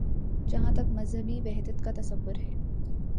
جہاں تک مذہبی وحدت کا تصور ہے۔